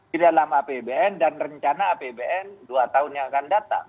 di dalam apbn dan rencana apbn dua tahun yang akan datang